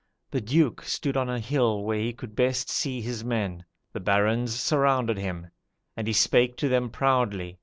The Duke stood on a hill where he could best see his men; the barons surrounded him, and he spake to them proudly.